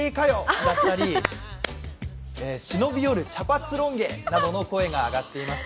だったり、忍び寄る茶髪ロン毛などの声が上がっていました。